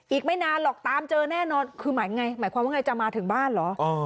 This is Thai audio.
อีกไม่นานหรอกตามเจอแน่นอนคือหมายไงหมายความว่าไงจะมาถึงบ้านเหรอ